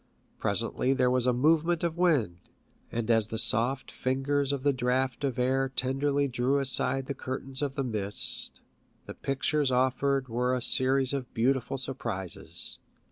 Presently there was a movement of wind, and as the soft fingers of the draught of air tenderly drew aside the curtains of the mist, the pictures offered were a series of beautiful surprises.